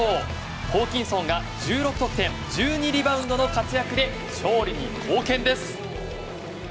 ホーキンソンが１６得点１２リバウンドの活躍で勝利に貢献です。